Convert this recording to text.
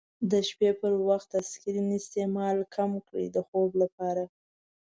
د شپې پر وخت د سکرین استعمال کم کړئ د خوب لپاره.